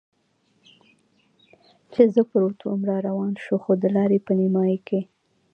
چې زه پروت ووم را روان شو، خو د لارې په نیمایي کې.